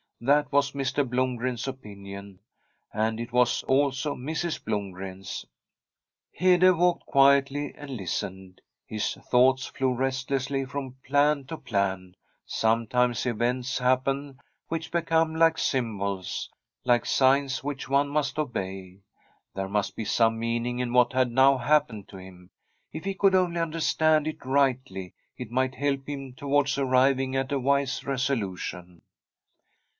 That was Mr. Blomgren's opinion, and it was also Mrs. Blom gren's. Hede walked quietly and listened. His thoughts flew restlessly from plan to plan. Some times events happen which become like symbols, like signs, which one must obey. There must be some meaning in what had now happened to him. If he could only understand it rightly, it might help him towards arriving at a wise reso lution.